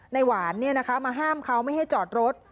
หวานมาห้ามเขาไม่ให้จอดรถ